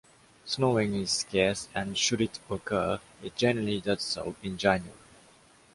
Snowing is scarce and should it occur, it generally does so in January